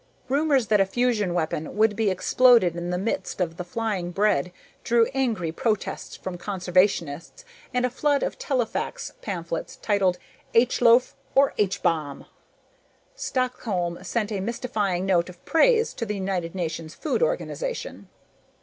Rumors that a fusion weapon would be exploded in the midst of the flying bread drew angry protests from conservationists and a flood of telefax pamphlets titled "H Loaf or H bomb?" Stockholm sent a mystifying note of praise to the United Nations Food Organization.